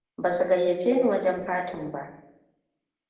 Ba su gayyace ni wajen fatin ba.